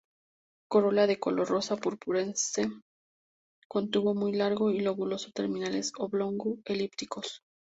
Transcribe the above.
Corola de color rosa-purpurescente, con tubo muy largo y lóbulos terminales oblongo-elípticos.